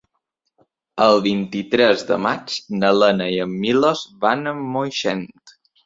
El vint-i-tres de maig na Lena i en Milos van a Moixent.